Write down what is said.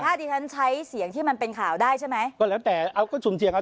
ถ้าดิฉันใช้เสียงที่มันเป็นข่าวได้ใช่ไหมก็แล้วแต่เอาก็สุ่มเสี่ยงครับ